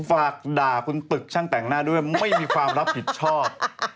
ฝากด่าคุณตึกช่างแต่งหน้าด้วยไม่มีความรับผิดชอบ